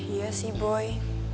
iya sih boy